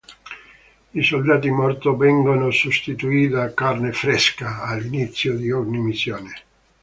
I soldati morti vengono sostituiti da "carne fresca" all'inizio di ogni missione.